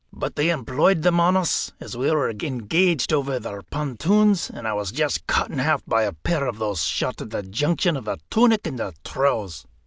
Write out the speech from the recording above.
But they employed them on us as we were engaged over the pontoons, and I was just cut in half by a pair of these shot at the junction of the tunic and the trews."